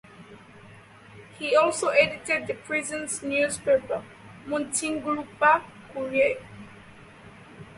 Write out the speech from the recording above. He also edited the prison's newspaper "Muntinglupa Courier".